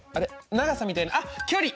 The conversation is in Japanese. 長さみたいなあっ「距離」。